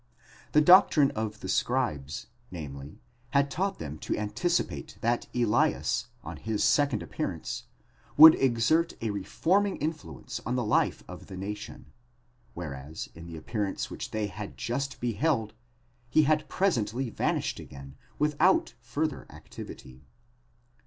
The doctrine of the scribes, namely, had taught them to anticipate that Elias on his second appearance would exert a reforming in fluence on the life of the nation ; whereas in the appearance which they had just beheld he had presently vanished again without further activity.?